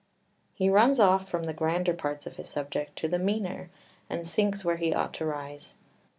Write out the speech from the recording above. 3 He runs off from the grander parts of his subject to the meaner, and sinks where he ought to rise.